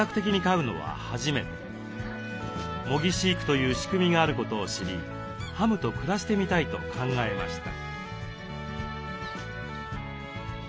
模擬飼育という仕組みがあることを知りハムと暮らしてみたいと考えました。